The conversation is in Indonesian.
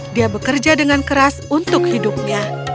dia bekerja dengan keras untuk hidupnya